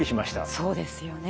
そうですよね。